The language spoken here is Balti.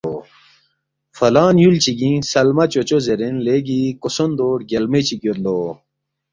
فلان یُول چِگِنگ سلمہ چوچو زیرین لیگی کوسوندو رگیالموے چِک یود لو